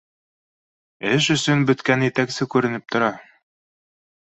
Эш өсөн бөткән етәксе, күренеп тора